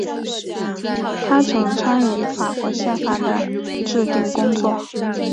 他曾参与法国宪法的制订工作。